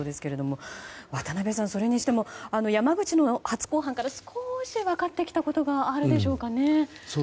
渡辺さん、それにしても山口の初公判から少し分かってきたことがあるでしょうかね。